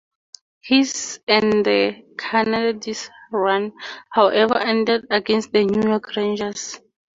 His and the Canadiens run, however, ended against the New York Rangers.